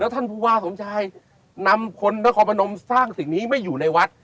ท่านผู้ว่าสมชายนำคนนครพนมสร้างสิ่งนี้ไม่อยู่ในวัด